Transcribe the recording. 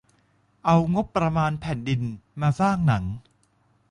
เอางบประมาณแผ่นดิน มาสร้างหนัง